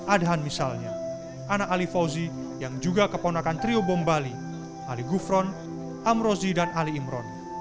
adhan misalnya anak ali fauzi yang juga keponakan trio bombali ali gufron amrozi dan ali imron